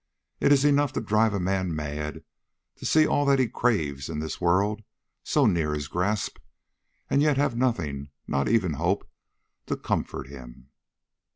It is enough to drive a man mad to see all that he craves in this world so near his grasp, and yet have nothing, not even hope, to comfort him.'